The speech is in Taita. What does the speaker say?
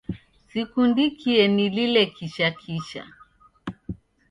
Sikundikie nilile kisha kisha